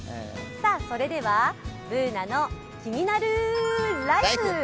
それでは「ＢｏｏｎａのキニナルＬＩＦＥ」。